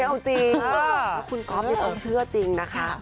เอาจริงถ้าคุณกอล์ฟยังต้องเชื่อจริงนะคะ